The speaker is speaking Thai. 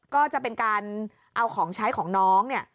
ก็จะเป็นการเอาของใช้ของน้องเนี่ย